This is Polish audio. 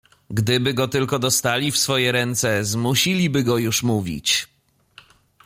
"Gdyby go tylko dostali w swoje ręce zmusiliby go już mówić."